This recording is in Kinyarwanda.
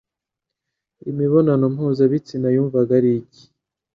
imibonano mpuzabitsina wumvaga ari iki